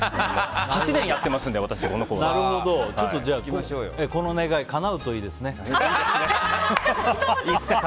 ８年やってますんで、私この願いかなうといいですね。